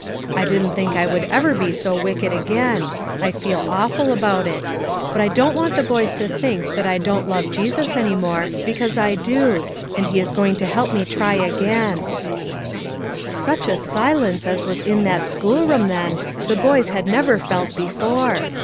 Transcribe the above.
I didn't think I would ever be so wicked again; I feel awful about it. But I don't want the boys to think that I don't love Jesus any more, because I do; and He is going to help me try Such a silence as was in that schoolroom then, the boys had never felt before!